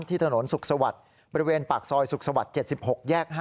ถนนสุขสวัสดิ์บริเวณปากซอยสุขสวรรค์๗๖แยก๕